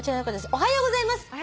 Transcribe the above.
「おはようございます。